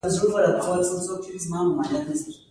هغه په کالج کې خورا ښې نومرې واخيستې